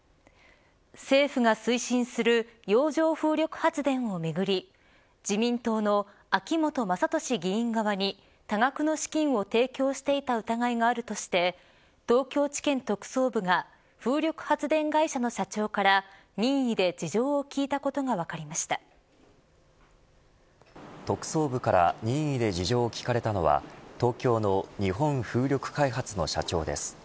政府が推進する洋上風力発電をめぐり自民党の秋本議員側に多額の資金を提供していた疑いがあるとして東京地検特捜部が風力発電会社の社長から任意で事情を聴いたことが特捜部から任意で事情を聴かれたのは東京の日本風力開発の社長です。